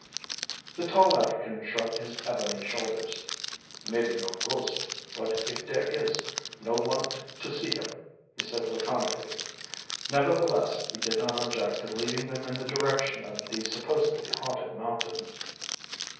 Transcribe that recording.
The tall African shrugged his ebony shoulders, "Maybe no ghost but if dare is, no want to see 'um," he said laconically. Nevertheless he did not object to leading them in the direction of the supposedly haunted mountain.